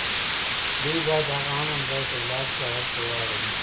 دوی باید هغه امن ځای ته ولاړ شي او هلته واړوي